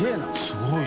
すごい。